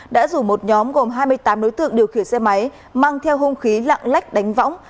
đã rủ một nhóm gồm hai mươi tám đối tượng điều khiển xe máy mang theo hung khí lạng lách đánh võng